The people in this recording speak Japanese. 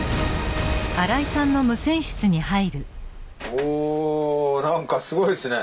おなんかすごいですね。